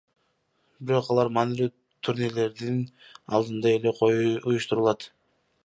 Бирок алар маанилүү турнирлердин алдында эле уюштурулат.